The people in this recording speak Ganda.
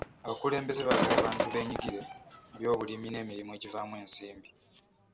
Abakulembeze baagala abantu beenyigire mu byobulimi n'emirimu egivaamu ensimbi.